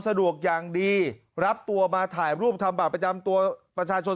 สะดวกอย่างดีรับตัวมาถ่ายรูปทำบาปประจำตัวประชาชน